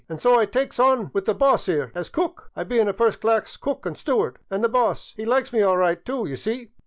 An' so I tykes on with the boss 'ere as cook — I bein' a first class cook an' steward — an' the boss 'e likes me all right, too, d' ye see.